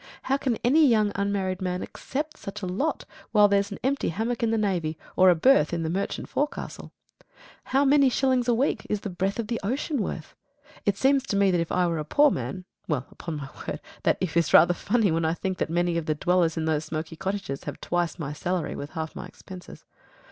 How can any young unmarried man accept such a lot while there's an empty hammock in the navy, or a berth in a merchant forecastle? How many shillings a week is the breath of the ocean worth? It seems to me that if I were a poor man well, upon my word, that "if" is rather funny when I think that many of the dwellers in those smoky cottages have twice my salary with half my expenses.